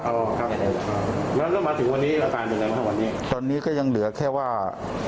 แล้วมาถึงวันนี้ตอนนี้ก็ยังเหลือแค่ว่า